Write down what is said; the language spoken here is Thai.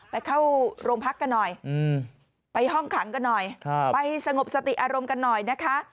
ไปเข้าโรงพักกันหน่อยไปห้องขังกันหน่อยไปสงบสติอารมณ์กันหน่อยนะคะ